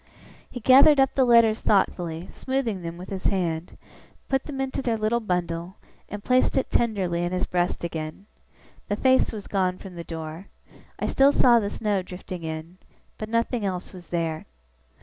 He gathered up the letters thoughtfully, smoothing them with his hand; put them into their little bundle; and placed it tenderly in his breast again. The face was gone from the door. I still saw the snow drifting in; but nothing else was there.